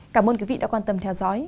cảm ơn quý vị đã quan tâm theo dõi